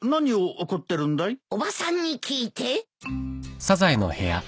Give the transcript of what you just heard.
おばさんに聞いて。